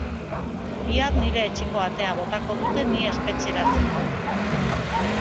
Bihar nire etxeko atea botako dute, ni espetxeratzeko.